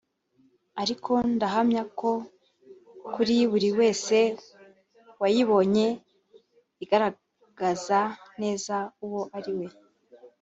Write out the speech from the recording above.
ariko ndahamya ko kuri buri wese wayibonye igaragaza neza uwo ari we”